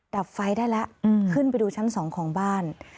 ดับไฟได้แล้วขึ้นไปดูชั้น๒ของบ้าน